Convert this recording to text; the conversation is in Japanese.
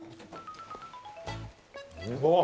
うわっ！